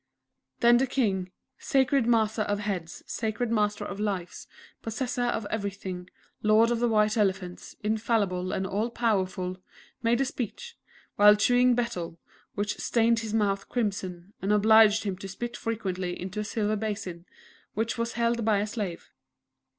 Then the King, "_Sacred Master of Heads, Sacred Master of Lives, Possessor of Everything, Lord of the White Elephants, Infallible, and All Powerful_," made a speech, while chewing Betel, which stained his mouth crimson, and obliged him to spit frequently into a silver basin, which was held by a slave.